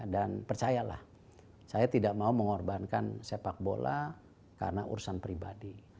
dan percayalah saya tidak mau mengorbankan sepak bola karena urusan pribadi